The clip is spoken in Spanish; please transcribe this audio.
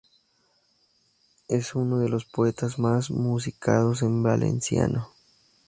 Es uno de los poetas más musicados en valenciano.